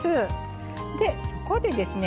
そこでですね